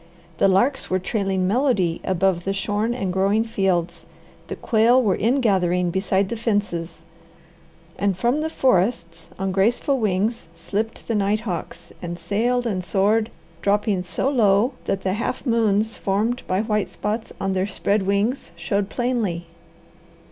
The larks were trailing melody above the shorn and growing fields, the quail were ingathering beside the fences, and from the forests on graceful wings slipped the nighthawks and sailed and soared, dropping so low that the half moons formed by white spots on their spread wings showed plainly.